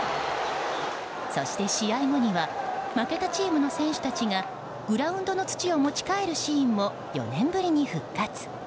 そして、試合後には負けたチームの選手たちがグラウンドの土を持ち帰るシーンも４年ぶりに復活。